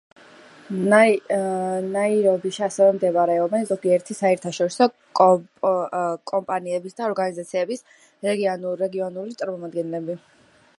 ნაირობიში ასევე მდებარეობენ ზოგიერთი საერთაშორისო კომპანიების და ორგანიზაციების რეგიონალური წარმომადგენლობები.